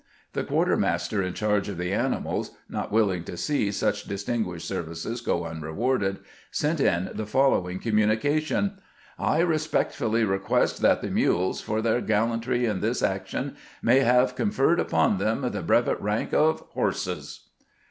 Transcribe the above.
The quartermaster 10 CAMPAIGNING WITH GBANT in charge of the animals, not willing to see such distin guished services go unrewarded, sent in the following communication :" I respectfully request that the mules, for their gallantry in this action, may have conferred upon them the brevet rank of horses."